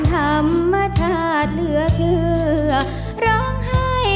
สมาธิพร้อมร้องได้